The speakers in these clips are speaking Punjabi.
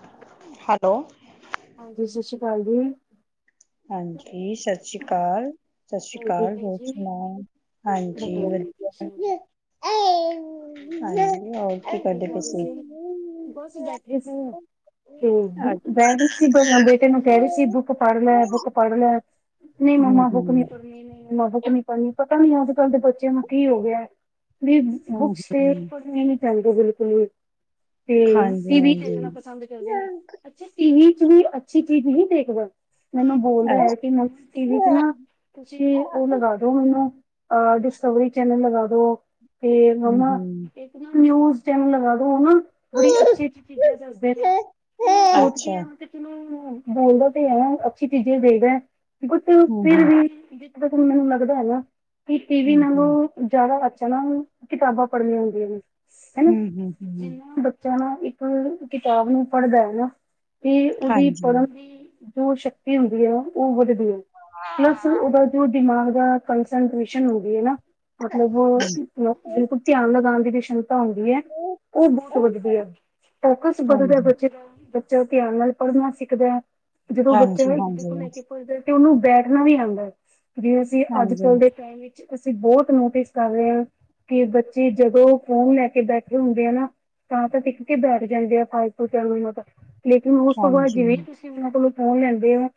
ਹਾਂ ਹਾਲੋ ਹਾਂਜੀ ਸਸੀ ਕਾਲ ਜੀ। ਹਾਂਜੀ ਸਸਰੀ ਕਾਲ ਸਸਰੀ ਕਾਲ ਠੀਕ ਹੋ ਹੋਰ ਜੀ ਸੁਨਾ ਹਾਂਜੀ ਹੋਰ ਕੀ ਵਦੀਆ ਐਂ ਹਾਂਜੀ ਹੋਰ ਕੀ ਕਰਦੇ ਪਏ ਕਰ ਰਹੇ ਸੀ। ਬਸ ਬੈਠੇ ਸੀ, ਹੂੰ ਅੱ ਬੈਠ ਸ ਬੇਟੇ ਨੂੰ ਕੈ ਰਈ ਸੀ ਬੁੱਕ ਪੜ ਲੈ-ਬੁੱਕ ਪੜ ਲੈ। ਨਈਂ ਹਮ ਮੰਮਾ ਬਕ ਨੀ ਹਮ ਪੜਨੀ, ਨਈਂ ਮੰਮਾ ਬੁਕ ਨੀ ਪੜਨੀ ਪਤਾ ਨੀ ਅੱਜ-ਕੱਲ ਦੇ ਬੱਚਿਆਂ ਨੂੰ ਕੀ ਹੋ ਗੇਆ। ਨਈਂ ਹਮ ਬੁੱਕਸ ਤੇ ਹਮ ਪੜਨੀ ਨੀ ਚਾਈਦੀ ਬਿਲਕੁਲ ਵੀ। ਤੇ ਹਾਂਜੀ ਟੀ ਵੀ ਹਾਂਜੀ ਦੇਖਨਾ ਪਸੰਦ ਕਰਦੇ ਨੇ, ਅੱਛਾ ਟੀਵੀ ਚ ਵੀ ਅੱਛੀ ਚੀਜ਼ ਨਈਂ ਦੇਖਦਾ। ਮੈਨੂੰ ਬੋਲਦਾ ਐ ਕੇ ਮ ਟੀ ਵੀ ਚ ਨਾ ਤੁਸੀਂ ਓ ਲਗਾ ਦੋ ਮੈਨੂੰ ਆਹ ਡਿਸਕਵਰੀ ਚੈਨਲ ਲਗਾ ਦੋ, ਤੇ ਹਮ ਮੰਮਾ ਹਮ ਏ ਨਿਊਜ਼ ਚੈਨਲ ਲਗਾ ਦੋ ਮੰਮਾ। ਬੜੀ ਅੱਛੀ-ਅੱਛੀ ਚੀਜ਼ਾਂ ਦੱਸਦੇ ਨੇ, ਮੈਂ ਅੱਛਾ ਸੋਚਦੀ ਆਂ ਕੇ [unintelligible] ਬੋਲਦਾ ਤੇ ਐ ਨਾ ਅੱਛੀ ਚੀਜ਼ਾਂ ਈ ਦੇਖਦਾ ਕੇ ਹਮ ਫਿਰ ਹਮ ਵੀ ਦੇਖੋ ਮੈਨੂੰ ਲੱਗਦਾ ਹੈਗਾ ਕੀ ਟੀਵੀ ਹਮ ਹਮ ਨਾਲੋਂ ਜਾਦਾ ਅੱਛਾ ਨਾ ਕਿਤਾਬਾਂ ਪੜਨੀਆਂ ਹੁੰਦੀਆਂ ਨੇ ਹਨਾ ਹਮ ਹਮ ਹਮ ਜਿਨਾਂ ਬ ਬੱਚਾ ਨਾ ਇੱਕ ਕਿਤਾਬ ਨੂੰ ਪੜ੍ਹਦਾ ਐ ਨਾ ਤੇ ਓਦੀ ਹਾਂਜੀ ਪੜਨ ਦੀ ਜੋ ਸ਼ਕਤੀ ਹੁੰਦੀ ਐ ਮੈਮ ਓ ਵਧਦੀ ਐ, ਪਲੱਸ ਓਦਾ ਜੋ ਦਿਮਾਗ ਦਾ ਕੰਨਸਟਰੇ ਸ਼ਨ ਹੁੰਦੀ ਐ ਨਾ ਮਤਲਬ ਬਿਲਕੁਲ ਧਿਆਨ ਲਗਾਨ ਦੀ ਵੀ ਸ਼ਮਤਾ ਹੁੰਦੀ ਐ। ਓ ਬੋਤ ਵੱਧਦੀ ਐ, ਫੋਕਸ ਵੱਧਦਾ ਹਾਂਜੀ, ਬੱਚੇ ਦਾ। ਜੋ ਧਿਆਨ ਨਾਲ ਪੜਨਾ ਸਿੱਖਦਾ, ਜਦੋਂ ਬੱਚੇ ਨੂੰ ਇਕ ਦੂਜੇ ਹਾਂਜੀ-ਹਾਂਜੀ, ਤੋਂ ਲੈ ਕੇ ਪੁੱੱਛਦੇ ਤੇ ਓਨੂੰ ਬੈਠਨਾ ਵੀ ਆਂਦਾ, ਜਿਵੇ ਅਸੀਂ ਹਾਂਜੀ, ਅੱਜ-ਕੱਲ ਦੇ ਟੈਮ ਵਿੱਚ ਅਸੀਂ ਬੋਤ ਨੋਟਿਸ ਕਰ ਰਏ ਆਂ। ਕੇ ਬੱਚੇ ਜਦੋਂ ਫੋਨ ਲੈ ਕੇ ਬੈਠੇ ਹੁੰਦੇ ਆ ਨਾ ਤਾਂ-ਤਾਂ ਟਿਕ ਕੇ ਬੈਠ ਜਾਂਦੇ ਆ ਫਾਲਤੂ ਚਿਆ ਮਤਲਬ ਲੇਕਿਨ ਉਸ ਤੋਂ ਬਾਦ ਹਾਂਜੀ, ਜਿਵੇਂ ਤੁਸੀਂ ਤੁਸੀ ਮਤਲਬ ਫੋਨ ਲੈਂਦੇ ਓਂ,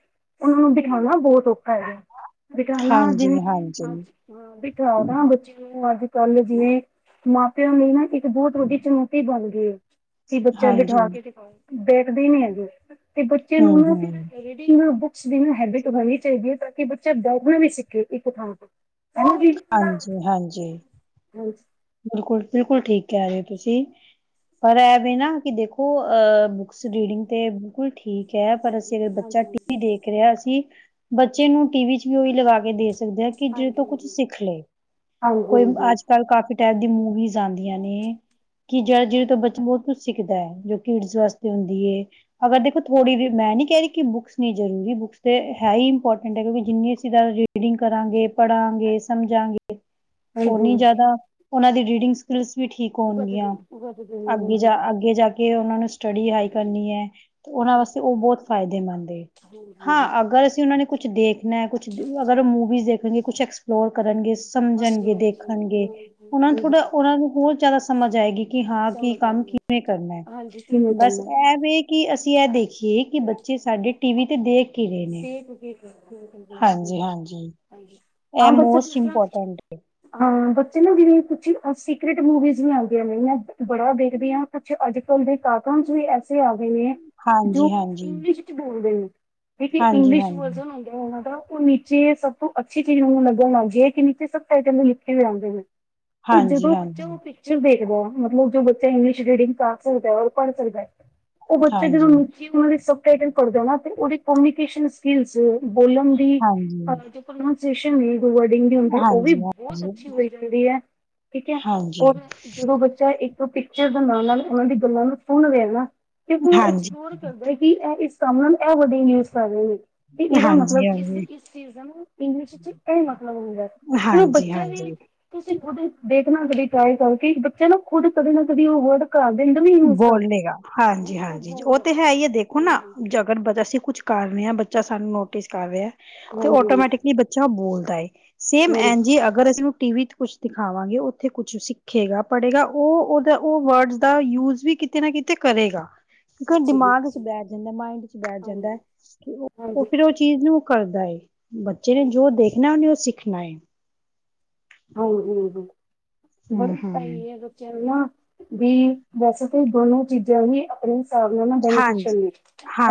ਓਨਾਂ ਨੂੰ ਬਿਠਾਨਾ ਬੋਤ ਔਖਾ ਹੈਗਾ ਬਿਠਾਨਾ ਜਿਵੇਂ ਹਾਂਜੀ-ਹਾਂਜੀ। ਅੱਜ ਹਾਂ ਬਿਠਾਦਾਂ ਬੱਚੇ ਨੂੰ ਅੱਜ-ਕੱਲ ਜਿਵੇਂ ਮਾਂ ਪਿਓ ਲਈ ਨਾ ਬੋਤ ਵੱਡੀ ਚੁਣੌਤੀ ਬਨ ਗਈ ਏ, ਕੀ ਬੱਚੇ ਹਾਂਜੀ, ਬਿਠਾ ਕੇ ਦਿਖਾਓ, ਬੈਠਦੇ ਈ ਨੀ ਹੈਗੇ। ਤੇ ਬੱਚੇ ਨੂੰ ਉਨੂੰ ਹੂੰ-ਹੂੰ, ਫਿਰ ਰੀਡਿੰਗ ਬੁੱਕ ਸ ਦੀ ਓਨੂੰ ਹੈਬਿਟ ਹੋਨੀ ਚਾਈਦੀ ਐ ਤਾਂ ਕੇ ਬੱਚਾ ਬੈਠਨਾ ਵੀ ਸਿੱਖੇ ਇਕ ਥਾਂ ਤੋਂ ਹਾਂਜੀ-ਹਾਂਜੀ। ਹਾਂਜੀ। ਬਿਲਕੁਲ-ਬਿਲਕੁਲ ਠੀਕ ਕੈ ਰੇ ਓ ਤੁਸੀ, ਪਰ ਐ ਵੇ ਨਾ ਕੇ ਦੇਖੋ ਅ ਕੁਸ ਰੀਡਿੰਗ ਤੇ ਬਿਲਕੁਲ ਠੀਕ ਐ ਪਰ ਹਾਂਜੀ ਅਸੀ ਅਗਰ ਬੱਚਾ ਹਾਂਜੀ ਟੀ ਵੀ ਹਾਂਜੀ ਦੇਖ ਰੇਆ ਸੀ, ਅਸੀ ਬੱਚੇ ਨੂੰ ਟੀ ਵੀ ਚ ਵੀ ਓਈ ਲਗਾ ਕੇ ਦੇ ਸਕਦੇ ਆਂ ਕੀ ਜਿਦੇ ਹਾਂਜੀ ਤੋਂ ਕੁੱਛ ਹਾਂਜੀ ਸਿੱਖ ਲੇ, ਕੋਈ ਹਾਂਜੀ ਅੱਜ ਕੱਲ ਕਾਫੀ ਟੈਪ ਦੀ ਮੂਵੀਜ਼ ਆਂਦੀਆਂ ਨੇ, ਕੀ ਜੈ ਜਿਦੇ ਤੋਂ ਹਾਂਜੀ ਬੱਚਾ ਬੋ ਕੁੱਛ ਸਿੱਖਦੈ ਜੋ ਕਿਡਜ ਵਾਸਤੇ ਹੁੰਦੀ ਏ। ਅਗਰ ਦੇਖੋ ਥੋੜ੍ਹੀ ਵੀ ਮੈਂ ਨੀ ਕੈ ਰੀ ਕੀ ਬੁੱਕਸ ਨੀ ਜ਼ਰੂਰੀ ਬੁੱਕਸ ਤੇ ਹੈ ਈ ਇੰਪੋਟੈਂਟ ਐ ਕਿਉਂਕਿ ਜਿੰਨੇ ਅਸੀ ਜਾਦਾ ਰੀ ਰੀਡਿੰਗ ਕਰਾਂਗੇ, ਪੜਾਂਗੇ, ਸਮਝਾਂਗੇ ਹ [inaudible] ਓਨੀ ਜਾਦਾ ਓਨਾਂ ਦੀ ਰੀਡਿੰਗਸ ਸਕਲਿਸ ਵੀ ਠੀਕ ਵਧਦੇ ਹੋਨਗੀਆਂ, ਵਧਦੇ ਨੇ ਅੱਗੇ ਹਾਂਜੀ ਜਾ ਅੱਗੇ ਜਾ ਕੇ ਓਨਾਂ ਨੂੰ ਸਟੱਡੀ ਹਾਈ ਬਿਲਕੁਲ ਕਰਨੀ ਐ ਤੇ ਓਨਾਂ ਹਾਂਜੀ ਵਾਸਤੇ ਓ ਹਾਂਜੀ ਬੋਤ ਫਾਏਦੇਮੰਦ ਏ, ਹਾਂਜੀ ਹਾਂ ਅਗਰ ਅਸੀਂ ਓਨਾਂ ਨੇ ਕੁੱਛ ਦੇਖਨਾ ਐ ਕੁੱਛ ਅਗਰ ਓ ਮੂਵੀਜ਼ ਦੇਖਨਗੇ ਕੁੱਛ ਐਕਸਪਲੋਰ ਕਰਨਗੇ ਹਾਂਜੀ ਸਮਝਨਗੇ, ਹਾਂਜੀ ਹਾਂਜੀ ਦੇਖਨਗੇ, ਓਨਾਨੂੰ ਥੋੜਾ ਹਾਂਜੀ ਉਨ੍ਹਾਂਨੂੰ ਹੋਰ ਜਾਦਾ ਸਮਝ ਆਏਗੀ ਕਿ ਹਾਂ ਕੀ ਸਮਝ ਆ ਕੰਮ ਰਹੀ ਹੈ ਕਿਵੇਂ ਕਰਨਾ ਐ ਹਾਂਜੀ ਕਿਵੇਂ ਬਸ ਕਰਨਾ ਐਵੇ ਕਿ ਅਸੀ ਐ ਦੇਖੀਏ, ਕਿ ਬੱਚੇ ਸਾਡੇ ਟੀ ਵੀ ਤੇ ਦੇਖ ਕੀ ਰੇ ਨੇ [unintelligible] ਹਾਂਜੀ-ਹਾਂਜੀ। ਹਾਂਜੀ, ਹਾਂ ਬੱਚੇ ਜਿਸਤਰਾਂ ਹਾਂ ਬੱਚੇ ਨਾ ਜਿਵੇੰ ਕੁੱਛ ਸੀਕਰੇਟ ਮੂਵੀਜ਼ ਵੀ ਆਂਦੀਆਂ ਪਇਆ ਬੜਾ ਵੇਖਦੀ ਆਂ ਕੁੱਛ ਅੱਜ-ਕੱਲ ਦੇ ਕਾਰਟੂਨਸ ਵੀ ਐਸੇ ਆ ਗਏ ਨੇ ਜੋ ਹਾਂਜੀ ਹਾਂਜੀ। ਇਸ਼ ਇੱਚ ਬੋਲਦੇ ਨੇ ਕਿਉਂਕਿ ਹਾਂਜੀ ਇੰਗਲਿਸ਼ ਹਾਂਜੀ ਵਰਜਨ ਹੋੰਦਾ ਓਨਾ ਦਾ ਓ ਨੀਚੇ ਸਭ ਤੋਂ ਅੱਛੀ ਚੀਜ਼ ਹੁਨ ਲਗਣ ਲਗ ਗਈ ਐ ਕਿ ਨੀਚੇ ਸਭ ਟਾਈਟਲ ਲਿਖੇ ਹੋਏ ਆਂਦੇ ਨੇ ਓ ਹਾਂਜੀ ਜਦੋ ਬੱਚਾ ਹਾਂਜੀ ਓ ਪੇ ਚਰ ਦੇਖੇਗਾ ਮਤਲਬ ਜੋ ਬੱਚਾ ਇੰਗਲਿਸ਼ ਰੀਡਿੰਗ ਕਰ ਸਕਦਾ ਐ, ਓ ਪੜ੍ਹ ਸਕਦਾ ਏ, ਓ ਬੱਚਾ ਜਦੋ ਹਾਂਜੀ ਨੂੰ ਕੀ ਓਨਾਦੀ ਸਬ ਟਾਈਟਲ ਪੜ੍ਹਦਾ ਨਾ ਤੇ ਓਦੀ ਕੋਮਿਕੇਸ਼ਨ ਸਕਿੱਲਸ ਬੋਲਣ ਦੀ ਹਾਂਜੀ ਪ੍ਰਨੋਂਸੇਸ਼ਨ ਵੀ ਵਡਿੰਗ ਦੀ ਹੁੰਦੀ, ਓ ਵੀ ਹਾਂਜੀ। ਬੋਤ ਅੱਛੀ ਹੋਈ ਜਾਂਦੀ ਐ, ਠੀਕ ਐ ਓ ਹਾਂਜੀ, ਜਦੋਂ ਬੱਚਾ ਇਕ ਓ ਪਿਕਚਰ ਬਨਵਾਨ-ਨਾਲ ਓਨਾ ਦੀ ਗੱਲਾਂ ਨੂੰ ਸੁਣ ਰੇਐ ਨਾ ਕਿਉਂਕਿ ਓ ਹਾਂਜੀ, ਐਕਸਪਲੋਰ ਕਰਦੈ ਇਕ ਕੀ ਐ ਇਸ ਕਮ ਨਾਲ ਐ ਵੱਡੀ ਨਿਊਜ਼ ਪਰ ਰਏ ਨੇ ਤੇ ਏਦਾ ਹਾਂਜੀ, ਮਤਲਬ ਇਸ-ਇਸ ਚੀਜ਼ ਦਾ ਨਾ ਇੰਗਲਿਸ਼ ਵਿਚ ਐ ਮਤਲਬ ਹੁੰਦੈ ਹਾਂਜੀ, ਤੇ ਓ ਹਾਂਜੀ, ਬੱਚੇ ਵੀ ਹਾਂਜੀ। ਤੁਸੀ ਖੁਦ ਦੇਖਨਾ ਕਦੀ ਟ੍ਰਾਈ ਕਰਕੇ ਬੱਚਾ ਨਾ ਖੁਦ ਕਦੇ ਨਾ ਕਦੀ ਓ ਵਰਡ ਘਰ ਦੇ ਅੰਦਰ ਵੀ ਯੂਜ ਬੋਲ ਕਰਦੇ ਲੇਗਾ ਹਾਂਜੀ-ਹਾਂਜੀ ਓ ਹਾਂਜੀ। ਤੇ ਹੈ ਈ ਐ ਦੇ ਓਨਾ ਹਾਂਜੀ ਜਗਰ ਬਜ ਅਸੀ ਕੁੱਛ ਕਰ ਨੇ ਆਂ ਬੱਚਾ ਸਾਨੂੰ ਨੋਟਿਸ ਕਰ ਰੇਐ ਤੇ ਹਾਂਜੀ ਆਟੋਮੈਟਿਕਲੀ ਬਚ ਚਾ ਬੋਲਦਾ ਏ, ਸੇਮ ਐਨਜ ਈ ਅਗਰ ਅਸੀਂ ਟੀ ਵੀ ਚ ਕੂਛ ਦਿਖਾਵਾਂਗੇ ਓਥੇ ਕੁੱਛ ਸਿੱਖੇਗਾ, ਪੜ੍ਹੇਗਾ ਓ ਓਦਾ ਓ ਵਡਸ ਦਾ ਯੂਜ ਵੀ ਕਿਤੇ ਨਾ ਕਿਤੇ ਕਰੇਗਾ ਕਿਉਂਕਿ ਓ ਅੱਛਾ ਜੀ ਦਿਮਾਗ ਇੱਚ ਅੱਛਾ ਹਾਂਜੀ। ਬੈ ਜਾਂਦਾ ਮਾਇੰਡ ਇੱਚ ਬੈ ਹਾਂਜੀ। ਜਾਂਦੈ ਕਿ ਓ ਫਿਰ ਓ ਚ ਚੀਜ਼ ਨੂੰ ਓ ਕਰਦਾ ਏ, ਬੱਚੇ ਨੇ ਜੋ ਹਾਂਜੀ। ਦੇਖਨਾ ਓਨੇ ਓ ਸਿੱਖਣਾ ਏ ਹਾਂਜੀ-ਹਾਂਜੀ ਬਲ ਹੂੰ, ਸਈ ਹੂੰ ਏ ਬੱਚਿਆਂ ਨੂੰ ਨਾ ਵੀ ਵੈਸੇ ਤਾਂ ਦੋਨੋ ਚੀਜ਼ਾਂ ਹੀ ਆਪਣੇ ਹਿਸਾਬ ਨਾਲ ਨਾ ਹਾਂਜੀ। ਬੈਨੀਫਿਸ਼ਲ ਨੇ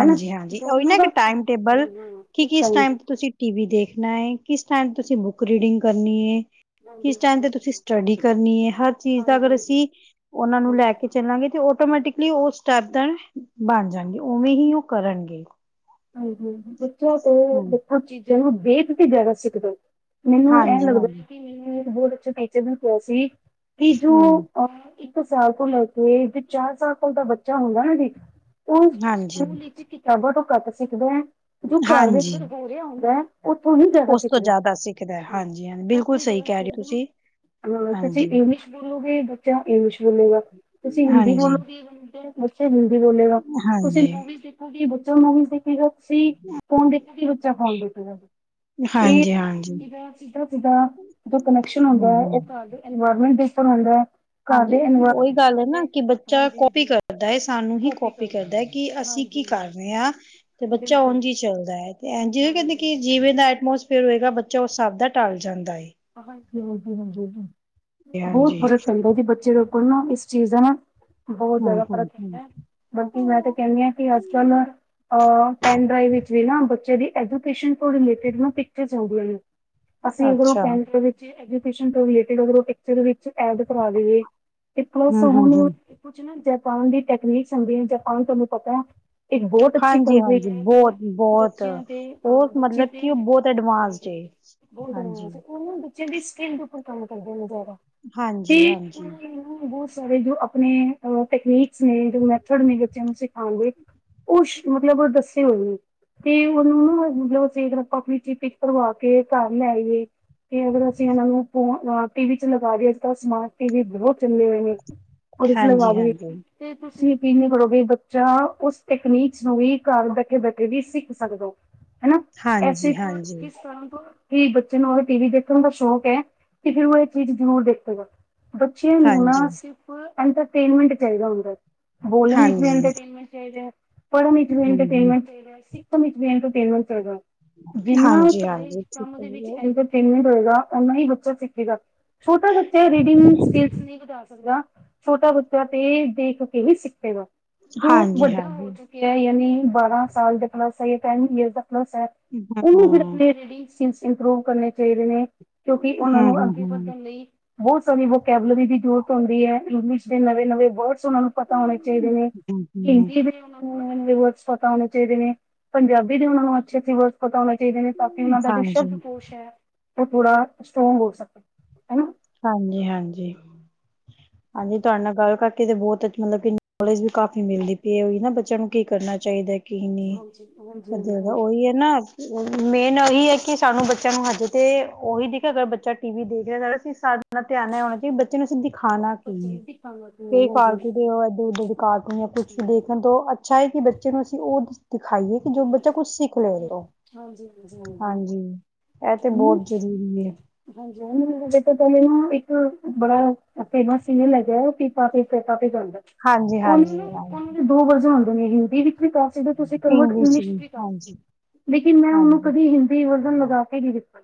ਹਨਾ। ਓਵੀ ਦੋਨਾਂ ਨਾ ਇਕ ਦਾ ਹਾਂ ਟਾਈਮ ਟੇਬਲ ਹਾਂ ਕੀ ਇੱਕ ਕਿਸ ਇਸ ਹਾਂਜੀ ਟਾਈਮ ਤੇ ਤੁਸੀ ਟੀ ਵੀ ਦੇਖਣਾ ਏ, ਕਿਸ ਟਾਈਮ ਤੁਸੀ ਬੁੱਕ ਰੀਡਿੰਗ ਕਰਨੀ ਏ ਹਾਂਜੀ ਕਿਸ ਹਾਂਜੀ ਟਾਈਮ ਤੇ ਤੁਸੀ ਸਟੱਡੀ ਕਰਨੀ ਏ ਹਰ ਚੀਜ਼ ਦਾ ਅਗਰ ਹਾਂਜੀ। ਅਸੀ ਉਹਨਾਂ ਨੂੰ ਲੈ ਹਾਂਜੀ। ਕੇ ਚੱਲਾਂਗੇ ਤੇ ਉਹ ਆਟੋਮੈਟਿਕਲੀ ਉਹ ਸਟੈਪ ਤਾ ਬਨ ਜਾਣਗੇ ਉਵੇਂ ਹੀ ਉਹ ਕਰਨਗੇ ਹਾਂ ਬੱਚਾ ਤੋਂ ਹੂੰ। ਦੇਖੋ ਚੀਜ਼ਾਂ ਨੂੰ ਵੇਖ ਕੇ ਜ਼ਿਆਦਾ ਸਿੱਖ ਦਾ ਮੈਨੂੰ ਇਹ ਲੱਗਦਾ ਹੈ ਹਾਂਜੀ-ਹਾਂਜੀ, ਕਿ ਮੈਨੂ ਬਹੁਤ ਅੱਛੇ ਟੀਚਰ ਨੂੰ ਕਿਹਾ ਸੀ ਕਿ ਜੋ ਇੱਕ ਸਾਲ ਤੋਂ ਲੈ ਕੇ ਤੇ ਚਾਰ ਸਾਲ ਤਾਂ ਬੱਚਾ ਹੁੰਦਾ ਨਾ ਜੀ ਉਹ ਸਕੂਲ ਹਾਂਜੀ-ਹਾਂਜੀ। ਵਿੱਚ ਕਿਤਾਬਾਂ ਤੋਂ ਘੱਟ ਸਿੱਖਦਾ ਐ ਜੋ ਘਰ ਦੇ ਅੰਦਰ ਹੋ ਰਿਹਾ ਹੁੰਦਾ ਹੈ ਉਓਥੋਂ ਹੀ ਜਿਆਦਾ ਉਸ ਤੋਂ ਸਿਖਦਾ, ਜ਼ਿਆਦਾ ਸਿੱਖਦਾ ਹੰ ਹਾਂਜੀ-ਹਾਂਜੀ ਬਿਲਕੁਲ ਉਥੋਂ ਸਹੀ ਜਾਦਾ ਕਹਿ ਰਹੇ ਹੋ ਸਿਖਦਾ ਤੁਸੀਂ। ਹਾਂ ਤੂਸੀ ਹਾਂਜੀ, ਇੰਗਲਿਸ਼ ਬੋਲੋਗੇ ਬੱਚਾ ਇੰਗਲਿਸ਼ ਬੋਲੇਗਾ ਤੁਸੀਂ ਹਿੰਦੀ ਹਾਂਜੀ, ਹਾਂਜੀ, ਬੋਲੋਗੇ ਬੱਚਾ ਹਿੰਦੀ ਬੋਲੇਗਾ ਤੁਸੀਂ ਮੂਵੀਜ ਦੇਖੋਗੇ ਬੱਚਾ ਮੂਵੀਜ ਤੁਸੀ ਸੀ ਫੋਨ ਦੇਖੋਗੇ, ਬੱਚਾ ਫੋਨ ਦੇਖੇਗਾ, ਇਹ ਹਾਂਜੀ, ਹਾਂਜੀ। ਇਦਾ ਸਿੱਧਾ ਸਿੱਧਾ ਕਨੈਕਸ਼ਨ ਹੁੰਦਾ ਔਹ ਹੂੰ-ਹੂੰ। ਘਰ ਦੇ ਇਨਵਾਇਰਮੈਂਟ ਤੇ ਹੰਦਾ ਹਾਂਜੀ ਉਹੀ ਗੱਲ ਐ ਨਾ ਕਿ ਬੱਚਾ ਹਾਂਜੀ ਕੋਪੀ ਹਾਂਜੀ ਕਰਦਾ ਹੈ ਸਾਨੂੰ ਹੀ ਕੋਪੀ ਕਰਦਾ ਹੈ ਕਿ ਅਸੀਂ ਕੀ ਹਾਂਜੀ ਕਰ ਹਾਂਜੀ ਰਿਆਂ ਤੇ ਬੱਚਾ ਬਿਲਕੁਲ ਉਂਜ ਜੀ ਈ ਚੱਲਦੈ ਤੇ ਐਂਜ ਹਾਂਜੀ ਵੀ [unintelligible] ਜੀ ਕੀ ਜਿਵੇਂ ਦਾ ਐਟਮੋਸ ਫੇਰ ਹੋਏਗਾ ਬੱਚਾ ਓਸ ਸਾਬ ਦਾ ਟਲ ਜਾਂਦਾ ਏ। [inaudible] ਬੋਤ ਹਾਂਜੀ। ਫਰਕ ਪੈਂਦਾ ਜੀ ਬੱਚੇ ਦੇ ਉੱਪਰ ਨਾ ਇਸ ਚੀਜ਼ਾਂ ਨਾ ਬੋ ਹੂੰ ਜਾਦਾ ਹੂੰ ਫਰਕ ਹੂੰ। [unintelligible] ਬਲਕੀ ਮੈਂ ਤੇ ਕੈਨੀ ਆ ਕੀ ਅੱਜ ਕੱਲ ਅ ਪੈਨ ਡਰਾਈਵ ਵਿੱਚ ਵੀ ਨਾ ਬੱਚੇ ਦੀ ਐਜੂਕੇਸ਼ਨ ਕੋ ਰੀਲੇਟਡ ਨਾ ਪਿਕਚਰਜ਼ ਹੁੰਦੀਆਂ ਨੇ। ਅਸੀਂ ਅਗਰੋਂ ਅੱਛਾ ਟੈਂ ਵਿੱਚ ਐਜੂਕੇਸ਼ਨ ਤੋਂ ਰਿਲੇਟਿਡ ਅਗਰ ਓ ਪਿਕਚਰ ਵਿੱਚ ਐਡ ਕਰਾ ਦੇਵੇ ਤੇ ਪਲੱਸ ਹੂੰ ਹੂੰ ਹੁਣ ਹੂੰ ਕੁਛ ਨਾ ਜਪਾਨ ਦੀ ਟੈਕਨੀਕਸ ਆਂਦੀਆਂ ਜਪਾਨ ਤੁਹਾਨੂੰ ਪਤੈ ਇੱਕ ਬੋਤ ਅੱਛੀ ਹਾਂਜੀ ਕੰਪਰੀ ਹਾਂਜੀ ਐ ਜੋ ਬਹੁਤ ਬਹੁਤ ਬੱਚਿਆਂ ਦੇ ਆ ਉਹ ਬੱਚੇ ਮਤਲਬ ਦੇ ਕਿ ਉਹ ਬਹੁਤ [inaudible] ਐਡਵਾਂਸਡ ਏ। ਹਾਂਜੀ। ਓ ਨਾ ਬੱਚਿਆਂ ਦੀ ਸਕਿੰਨ ਦੇ ਉੱਪਰ ਕੰਮ ਕਰਦੇ ਨੇ ਜਾਦਾ ਹਾਂਜੀ ਕੀ ਹਾਂਜੀ [inaudible] [inaudible] ਬੋ ਸਾਰੇ ਜੋ ਆਪਣੇ ਅ ਟੈਕਨੀਕਸ ਨੇ ਜੋ ਮੈਥਡ ਨੇ ਬੱਚਿਆਂ ਨੂੰ ਸਿਖਾਣ ਦੇ ਓਸ ਮਤਲਬ ਦੱਸੇ ਹੋਏ ਨੇ। ਤੇ ਹੁਣ ਓਨੂੰ ਨਾ ਮਤਲਬ ਅਸੀਂ [unintelligible] ਆਪਾਂ ਆਪਣੀ ਚੀਪਿਕ ਕਰਵਾ ਕੇ ਘਰ ਲੈ ਆਈਏ। ਤੇ ਅਗਰ ਅਸੀਂ ਏਨਾਂ ਨੂੰ ਫੋਨ ਟੀ ਵੀ ਚ ਲਗਾ ਦੇਜ ਤਾਂ ਸਮਾਰਟ ਟੀ ਵੀ ਬੋਹ ਚੱਲੇ ਹੋਏ [inaudible] ਕੁੜੇ ਚ ਹਾਂਜੀ ਲਗਾਦੀਏ ਹਾਂਜੀ। ਤੇ ਤੁਸੀਂ ਅਪੀਲ ਨੀ ਕਰੋਗੇ ਬੱਚਾ ਉਸ ਤਕਨੀਕਸ ਨੂੰ ਵੀ ਘਰ ਬੈਠੇ-ਬੈਠੇ ਵੀ ਸਿੱਖ ਸਕਦੋ। ਹੈਨਾ ਐਸੀੇ ਹਾਂਜੀ ਹਾਂਜੀ ਤਾਂ ਕਿਸ ਕਰ ਤੋਂ ਕੀ ਬੱਚੇ ਨੂੰ ਏ ਟੀ ਵੀ ਦੇਖਣ ਦਾ ਸ਼ੌਕ ਐ ਤੇ ਫਿਰ ਓ ਏ ਚੀਜ਼ ਜ਼ਰੂਰ ਦੇਖੇਗਾ। ਬੱਚਿਆਂ ਨੂੰ ਨਾ ਹਾਂਜੀ ਸਿਰਫ ਐੰਟਰਟੇਨਮੈਂਟ ਚਾਈਦਾ ਹੁੰਦੈ। ਬੋਲਣ ਵੀ ਹਾਂਜੀ ਇੰਟਰਟੇਨਮੈਂਟ ਚਾਈਦੇ ਆ [unintelligible] ਹੂੰ। ਹੂੰ। ਇੰਟਰਟੇਨਮੈਂਟ [inaudible] [inaudible] [inaudible] ਓਨਾ ਹਾਂਜੀ-ਹਾਂਜੀ, ਠੀਕ ਹੈ ਜੀ, ਈ ਬੱਚਾ ਸਿੱਖੇਗਾ ਛੋਟਾ ਬੱਚਾ ਰੀਡਿੰਗ ਸਕਿਲਸ [inaudible] ਜਾ ਸਕਗਾ ਛੋਟਾ ਬੱਚਾ ਤੇ ਦੇਖ ਕੇ ਹੀ ਸਿੱਖੇਗਾ। ਜੋ ਵੱਡਾ ਹੋ ਹਾਂਜੀ-ਹਾਂਜੀ। ਚੁੱਕਿਆ ਐ ਯਾਨੀ ਬਾਰਾਂ ਸਾਲ ਦੇ ਪਲੱਸ ਐ ਟੈਨ ਈਅਰਸ ਦਾ ਪਲੱਸ ਐ ਹੂੰ, ਉਨੂੰ ਫਿਰ ਹੂੰ-ਹੂੰ, ਆਪਣੇ [unintelligible] ਇੰਪਰੂਵ ਕਰਨੇ ਚਾਈਦੇ ਨੇ। ਕਿਉਂਕੀ ਓਨਾਂ ਨੂੰ ਅੱਗੇ ਹੂੰ। ਵੱਧਣ ਲਈ ਬੋਤ ਸਾਰੀ ਵੋਕੈਬਲਰੀ ਦੀ ਜ਼ਰੂਰਤ ਹੁੰਦੀ ਐ ਇੰਗਲਿਸ਼ ਦੇ ਨਵੇਂ-ਨਵੇਂ ਵਰਡਸ ਓਨਾਂ ਨੂੰ ਪਤਾ ਹੋਣੇ ਚਾਈਦੇ ਨੇ ਹਾਂਜੀ, ਹਿੰਦੀ ਦੇ [inaudible] ਪਤਾ ਹੋਣੇ ਚਾਈਦੇ ਨੇ, ਪੰਜਾਬੀ ਦੇ ਉਨਾ ਨੂੰ ਅੱਛੇ-ਅੱਛੇ [unintelligible] ਪਤਾ ਹੋਣਾ ਚਾਈਦੇ ਨੇ ਤਾਂਕੀ ਉਨਾਂ ਦਾ ਜੋ ਸ਼ਬਦ ਹਾਂਜੀ-ਹਾਂਜੀ। ਕੋਸ਼ ਐ ਓ ਥੋੜਾ ਸਟਰ੍ਰੋਂਗ ਹੋ ਸਕੇ ਹੈਨਾ। ਹਾਂਜੀ-ਹਾਂਜੀ [inaudible] ਹਾਂਜੀ ਤੁਹਾਡੇ ਨਾਲ ਗੱਲ ਕਰਕੇ ਤੇ ਬੋਤ ਮਤਲਬ ਕੀ ਨੌਲੇਜ ਵੀ ਕਾਫ਼ੀ ਮਿਲਦੀ ਪਈ ਐ ਓਈ ਨਾ ਬੱਚਿਆਂ ਨੂੰ ਕੀ ਕਰਨਾ ਚਾਈਦੈ ਕੀ ਨੀ ਹਾਂਜੀ ਹਾਂਜੀ [inaudible] ਹਾਂਜੀ ਓਹੀ ਐ ਨਾ ਮੇਨ ਓਹੀ ਐ ਕਕੀ ਸਾਨੂੰ ਬੱਚਿਆਂ ਨੂੰ ਹਜੇ ਤੇ ਓਹੀ ਦਿਖ ਅਗਰ ਬੱਚਾ ਟੀ ਵੀ ਦੇਖ ਰਿਆ [unintelligible] ਆਪਣਾ ਧਿਆਨ ਨਾ ਹੋਣਾ ਚਾਈ ਬੱਚੇ ਨੂੰ ਅਸੀਂ ਦਿਖਾਣਾ ਕੀਏ। ਕੋਚਿੰਗ ਦੀ ਕੰਮ ਕ ਹਾਂਜੀ ਕਾਰਕੂ ਤੇ ਓ ਐਡੇ-ਐਡੇ ਦੀ ਕਾਰਕੂ ਜਾਂ ਕੁੱਛ ਠੀਕ ਦੇਖਣ ਤੋਂ ਅ ਅੱਛਾ ਏ ਕੀ ਬੱਚੇ ਨੂੰ ਅਸੀਂ ਓ ਦਿਖਾਈਏ ਕੀ ਹਾਂਜੀ ਜੋ ਬੱਚਾ ਹਾਂਜੀ ਹਾਂਜੀ ਕੁੱਛ ਸਿੱਖ ਲੇ [unintelligible] ਹਾਂਜੀ ਐ ਤੇ ਹਮ ਬੋਤ ਜ਼ਰੂਰੀ ਏ ਹਾਂਜੀ ਨੂ [unintelligible] ਪੈਲੇ ਨਾ ਇੱਕ ਬੜਾ ਫੇਮਸ ਸੀਨੀਅਲ ਹੈਗਾ ਪੀ ਪਾਪੇ ਪਾਪੀ ‌ਜਾਦਾ‌ ਹਾਂਜੀ-ਹਾਂਜੀ-ਹਾਂਜੀ ਦੋ ਵਜੇ ਹੁੰਦੇ ਨੇ ਹਿੰਦੀ ਵਿੱਚ ਵੀ ਤਾਂ ਜਿਦਾਂ ਤੁਸੀ ਕਨਵਰਟ ਇੰਗਲਿਸ਼ ਵੀ ਕਰਦੇ ਲੇਕਿਨ ਮੈਂ ਓਨੂੰ ਹਾਂਜੀ। ਕਦੀ‌ ਹਿੰਦ ਕਿ ਵਰਧਨ ਲਗਾ ਕੇ ਈ ਦਿਤਾ‌।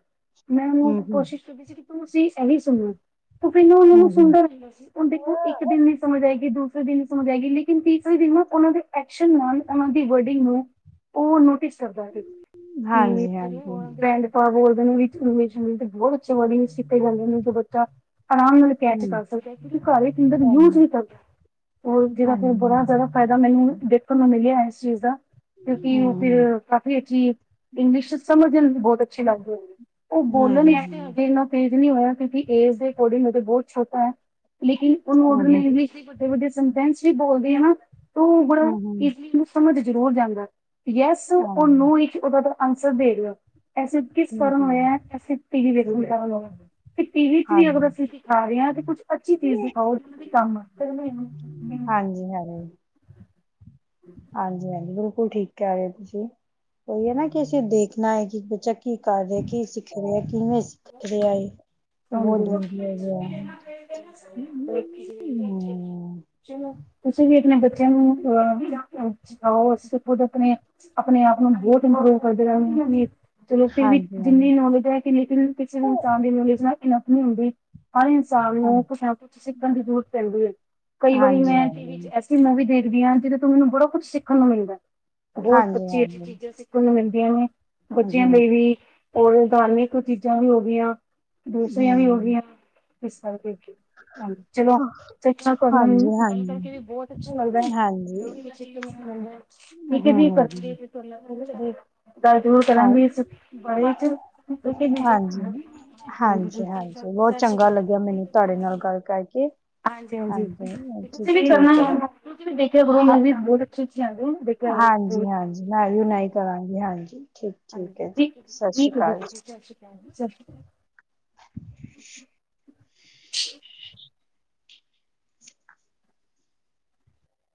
ਮੈਂ ਉਨੂੰ‌ ਹੂੰ-ਹੂੰ, ਕੋਸ਼ਿਸ਼ ਕਰਦੀ ਸੀ ਕਿ ਤੁਸੀਂ ਐਵੇਂ ਈ ਸੁਨਨਾ। ਉਹ ਕੈਂਦਾ, ਮਨੂੰ ਹੂੰ-ਹੂੰ। ਸੁੰਦਰ ਹੈਗਾ ਸੀ। ਹੁਨ ਦੇਖੋ, ਇਕ ਦਿਨ ਨੀ ਸਮਝ ਆਏਗੀ, ਦੂਸਰੇ ਦਿਨ ਨੀ ਸਮਝ ਆਏਗੀ, ਲੇਕਿਨ ਤੀਸਰੇ ਦਿਨ ਨਾ, ਓਨਾਂ ਦੇ ਐਕਸ਼ਨ ਨਾਲ ਓਨਾਂ ਦੀ ਵਰਡਿੰਗ‌ ਨੂੰ, ਓਹ ਨੋਟਿਸ ਕਰਦੈ ਫਿਰ, ਪੀਲੀ ਫਿਰ ਉਹ ਹਾਂਜੀ-ਹਾਂਜੀ, ਆ, ਬ੍ਰੈੰਡ। ਹਾਂ ਬੋਲਦੇ ਨੇ ਵਿਚ -ਵਿਚ ਬੋਤ ਅੱਛਾ ਬੋਲਦੇ ਨੇ, ਸਿਖੇ ਜਾਂਦੇ ਨੇ, ਦੋ ਬੱਚਾ। ਆਰਾਮ ਨਾਲ ਕੈਚ ਹੂੰ, ਕਰ ਸਕਦੈ, ਕਿਉਂਕਿ ਘਰ ਵਿਚ ਅੰਦਰ ਯੂਜ ਹਾਂਜੀ। ਨੀ ਕਰਦਾ। ਉਹ ਜੇੜਾ ਫੇਰ ਬੜਾ ਜਾਦਾ ਫਾਇਦਾ ਹਾਂਜੀ। ਮੈਨੂੰ ਦੇਖਨ ਨੂੰ ਮਿਲਿਐ ਇਸ ਚੀਜ਼ ਦਾ। ਕਿਉਂਕਿ ਉਹ ਹੂੰ, ਫਿਰ, ਕਾਫੀ ਅੱਛੀ, ਇੰਗਲਿਸ਼ ਸਮਝਨ 'ਚ ਬੋਤ ਅੱਛੀ ਲੱਗਦੀ। ਉਹ ਬੋਲਨ ਹੂੰ-ਹੂੰ, ਐ ਹੂੰ-ਹੂੰ, ਕਿ ਇੰਨਾ ਤੇਜ਼ ਨੀ ਹੋਇਆ, ਕਿਉਂਕਿ ਏਜ ਦੇ ਅਕੋਰਡਿੰਗ, ਅਗਰ ਬੋਤ ਛੋਟਾ ਐ। ਲੇਕਿਨ ਓਨੂੰ ਓਦੇ ਹੂੰ-ਹੂੰ, ਲਈ ਇੰਗਲਿਸ਼ ਦੇ ਵੱਡੇ- ਵੱਡੇ‌ ਸਨਟੈਂਸ ਵੀ ਬੋਲਦੇ, ਆ ਨਾ? ਤੂੰ ਹਾਂਜੀ, ਬੜਾ ਹੂੰ, ਹੂੰ। ਇਸ ਚੀਜ ਨੂੰ ਸਮਝ ਜ਼ਰੂਰ ਜਾਂਦੈ, ਯੈਸ ਔਰ ਹਾਂਜੀ, ਨੋ ਇੱਕ। ਫਿਰ ਓਦਾ ਫਿਰ ਆਂਸਰ ਦੇ ਰੇ ‌ਓ। ਐਸੀੇ ਕਿਸ ਫਰਮ ਹੋਇਐ, ਕੇ ਅਸੀ ਟੀ ਵੀ ਵੇਖ ਲਓ। 'ਤੇ ਟੀ ਵੀ 'ਚ ਵੀ ਹਾਂਜੀ, ਅਗਰ ਅਸੀਂ ਦਿਖਾ ਰੇਅ ਆ, 'ਤੇ ਕੁੱਛ ਅੱਛੀ ਚੀਜ਼ ਦਿਖਾਓ। ਕੀ ਕੰਮ, ਫਿਰ ਵੀ ਹਾਂਜੀ-ਹਾਂਜੀ। ਹਾਂਜੀ- ਹਾਂਜੀ, ਬਿਲਕੁਲ ਠੀਕ ਕੈਅ ਰੇ ਹੋ ਤੁਸੀਂ। ਓਈ ਏ ਨਾ ਕਿ ਅਸੀਂ ਦੇਖਨਾ ਐ ਕਿ ਬੱਚਾ ਕੀ ਕਰ ਰੇਐ, ਕੀ ਸਿੱਖ ਰੇਐ, ਕਿਵੇਂ ਸਿੱਖ ਰੇਆ ਏ, ਉਹ ਬੋਤ ਡੰਡੇ ਨਾਲ ਰੇਐ। ਵੇਖੀ ਜਰੂਰ, ਐਥੇ। ਚਲੋ, ਤੁਸੀਂ ਵੀ ਅਪਨੇ ਬੱਚਿਆਂ ਨੂੰ ਅਹ ਸਿਖਾਓ। ਅਸੀਂ ਤਾਂ ਖੁਦ ਅਪਨੇ ਅਪਨੇ ਆਪ ਨੂੰ ਬੋਤ ਇੰਪਰੂਵ ਕਰਦੇ ਰੈਨਗੇ ਵੀਰ। ਚਲੋ, ਫਿਰ ਵੀ ਹਾਂਜੀ ਜਿੰਨੀ ਨੌਲੇਜ ਹੈ, ਕਿ ਲੇਕਿਨ ਕਿਸੇ ਨੂੰ ਤਾਂ ਨੌਲੇਜ ਨਾਲ ਇਨਫ ਨੀ ਹੁੰਦੀ। ਹਰ ਇਨਸਾਨ ਨੂੰ ਹਾਂਜੀ ਕੁਛ ਨਾ ਕੁਛ ਸਿੱਖਨ ਦੀ ਜ਼ਰੂਰਤ ਪੈਂਦੀ ਐ, ਕਈ ਵਾਰੀ ਹਾਂਜੀ ਹਾਂਜੀ ਮੈਂ ਟੀ‌ ਵੀ ਐਸੀ ਮੂਵੀ ਦੇਖਦੀ ਆ, ਜਿਦੇ ਤੋਂ ਮੈਨੂੰ ਬੜਾ ਕੁਛ ਸਿੱਖਨ ਨੂੰ ਮਿਲਦੈ। ਬੋਤ ਹਾਂਜੀ ਅੱਛੀ-ਅੱਛੀ ਹਾਂਜੀ ਚੀਜ਼ਾਂ ਸਿਖ ਸਕੂਲ ਨੂੰ ਮਿਲਦੀਆਂ ਨੇ, ਹਮ ਬੱਚਿਆਂ ਲਈ ਵੀ, ਔਰ ਧਾਰਮਿਕ ਚੀਜ਼ਾਂ ਵੀ ਹੋ ਗੀਆਂ। ਦੂਸਰੀਆਂ ਵੀ ਹੋ ਗੀਆਂ‌, ਇਸ ਕਰ ਕੇ‌, ਹਾਂਜੀ। ਚਲੋ, ਹਮ ਸ਼ਿਕਸ਼ਾ ਕਰਨ ਨਾਲ ਹਾਂਜੀ ਗੱਲ ਕਰਕੇ ਵੀ ਹਾਂਜੀ ਬੋਤ ਅੱਛਾ ਲਗਦੈ। ਹਾਂਜੀ ਠੀਕ ਹਮ ਐ ਜੀ‌, ਹਮ ਹਮ, ਪਰਚੀ। ਗੱਲ ਜਰੂਰ ਹਾਂ ਕਰਾਂਗੀ, ਭਾਈ ਓਥੇ, ਓਕੇ, ਮੇਜਰ। ਜਿਮਨ ਆਏ, ਹਾਂਜੀ-ਹਾਂਜੀ, ਬੋਤ ਸਤਿ ਸ਼੍ਰੀ ਚੰਗਾ ਅਕਾਲ ਲੱਗਿਆ ਮੈਨੂੰ ਤੁਹਾਡੇ ਨਾਲ ਗੱਲ ਕਰਕੇ। ਹਾਂਜੀ-ਹਾਂਜੀ, ਹਾਂਜੀ ਠੀਕ ਤੁਸੀ ਵੀ ਠੀਕ ਹੈ ਜੀ ਕਰਨਾ‌। ਤੁਸੀਂ ਵੀ ਦੇਖਿਆ ਕਰੋ, ਮੂਵੀ ਬੋਤ ਅੱਛੀ- ਅੱਛੀ ਆਂਦੀ ਏ ਹੁਨ। ਹਾਂਜੀ-ਹਾਂਜੀ, ਮੈਂ ਵੀ ਉਨਾਈ ਕਰਾਂਗੀ, ਹਾਂਜੀ। ਠੀਕ ਹਾਂਜੀ, ਠੀਕ ਹੈ ਜੀ। ਸਤਿ ਸ਼੍ਰੀ ਠੀਕ-ਠੀਕ ਜੀ। ਅਕਾਲ ਸਸ਼੍ਰੀ ਕਾਲ, ਸਸ਼੍ਰੀ। [inaudible]